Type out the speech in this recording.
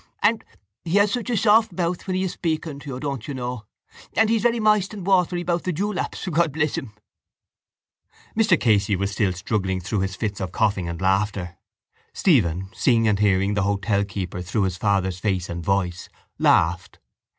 —And he has such a soft mouth when he's speaking to you, don't you know. He's very moist and watery about the dewlaps, God bless him. Mr Casey was still struggling through his fit of coughing and laughter. Stephen, seeing and hearing the hotel keeper through his father's face and voice, laughed.